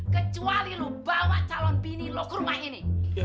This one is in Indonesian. kecuali lo bawa calon bini lo ke rumah ini